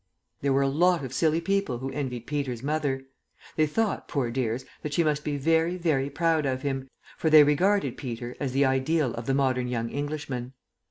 There were a lot of silly people who envied Peter's mother. They thought, poor dears, that she must be very, very proud of him, for they regarded Peter as the ideal of the modern young Englishman.